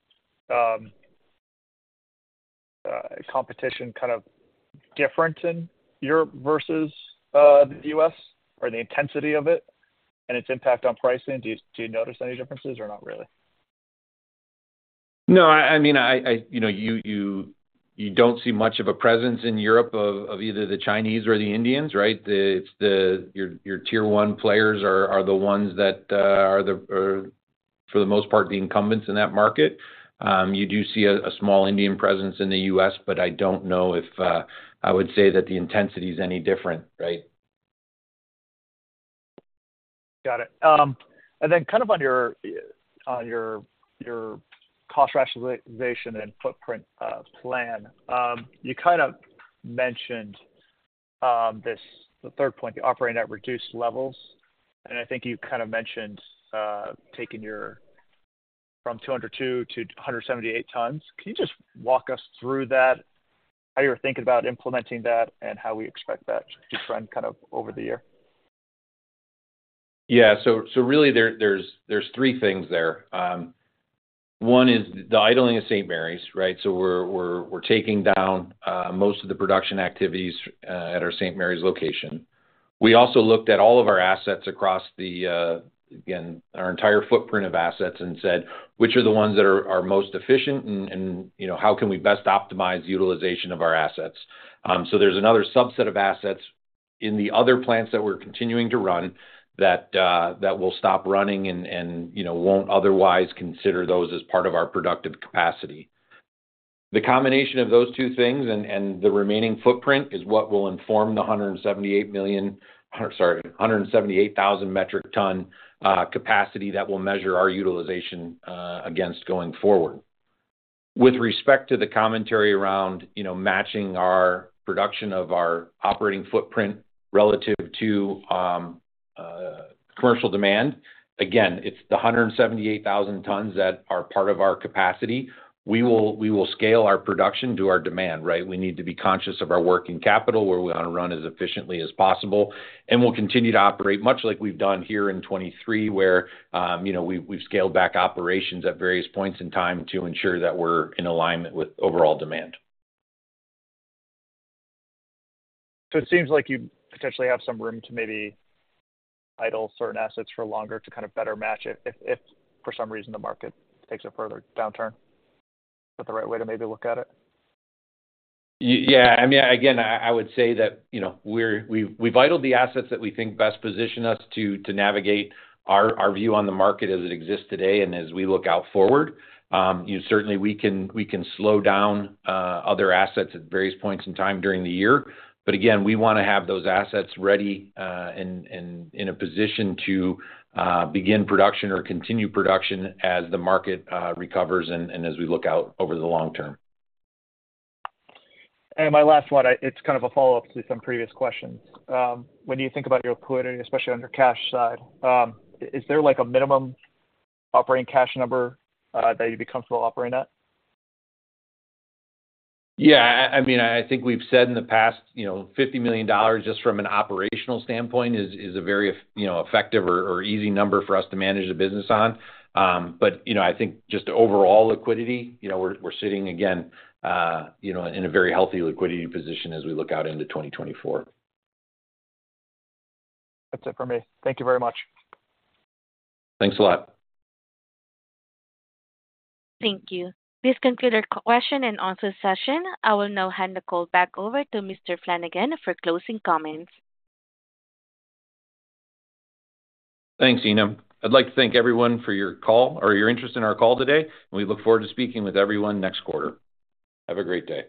competition kind of different in Europe versus the U.S. or the intensity of it and its impact on pricing? Do you notice any differences or not really? No. I mean, you don't see much of a presence in Europe of either the Chinese or the Indians, right? Your Tier 1 players are the ones that are, for the most part, the incumbents in that market. You do see a small Indian presence in the U.S., but I don't know if I would say that the intensity is any different, right? Got it. And then kind of on your cost rationalization and footprint plan, you kind of mentioned the third point, the operating at reduced levels. And I think you kind of mentioned taking your from 202-178 tons. Can you just walk us through that, how you're thinking about implementing that, and how we expect that to trend kind of over the year? Yeah. So really, there's three things there. One is the idling of St. Marys, right? So we're taking down most of the production activities at our St. Marys location. We also looked at all of our assets across, again, our entire footprint of assets and said, "Which are the ones that are most efficient, and how can we best optimize utilization of our assets?" So there's another subset of assets in the other plants that we're continuing to run that will stop running and won't otherwise consider those as part of our productive capacity. The combination of those two things and the remaining footprint is what will inform the 178,000 metric ton capacity that will measure our utilization against going forward. With respect to the commentary around matching our production of our operating footprint relative to commercial demand, again, it's the 178,000 tons that are part of our capacity. We will scale our production to our demand, right? We need to be conscious of our working capital, where we want to run as efficiently as possible. And we'll continue to operate much like we've done here in 2023, where we've scaled back operations at various points in time to ensure that we're in alignment with overall demand. So it seems like you potentially have some room to maybe idle certain assets for longer to kind of better match if, for some reason, the market takes a further downturn. Is that the right way to maybe look at it? Yeah. I mean, again, I would say that we've idled the assets that we think best position us to navigate our view on the market as it exists today and as we look out forward. Certainly, we can slow down other assets at various points in time during the year. But again, we want to have those assets ready and in a position to begin production or continue production as the market recovers and as we look out over the long term. My last one, it's kind of a follow-up to some previous questions. When you think about your liquidity, especially on your cash side, is there a minimum operating cash number that you'd be comfortable operating at? Yeah. I mean, I think we've said in the past, "$50 million just from an operational standpoint is a very effective or easy number for us to manage the business on." But I think just overall liquidity, we're sitting, again, in a very healthy liquidity position as we look out into 2024. That's it from me. Thank you very much. Thanks a lot. Thank you. This concludes our question and answers session. I will now hand the call back over to Mr. Flanagan for closing comments. Thanks, Eno. I'd like to thank everyone for your call or your interest in our call today. We look forward to speaking with everyone next quarter. Have a great day.